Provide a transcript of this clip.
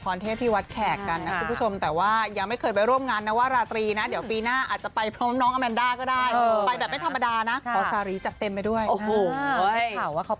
อ๋อจริงมันหุ้มหวายมากเลยนะแต่แบบมันสนุกมากเลยค่ะ